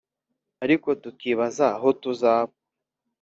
ariko tukibaza aho tuzaba